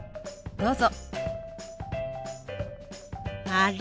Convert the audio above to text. どうぞ。